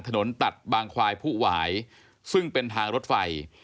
ถนนตัดบางควายผู้หวายซึ่งเป็นทางรถไฟ